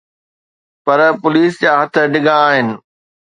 پر police جا هٿ ڊگھا آهن.